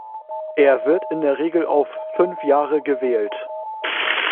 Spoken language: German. Er wird in der Regel auf fünf Jahre gewählt.